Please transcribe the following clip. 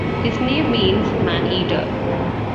His name means "man eater".